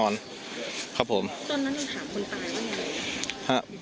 ตอนนั้นคุณถามคนตายหรือเปล่า